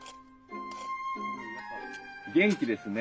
元気ですね。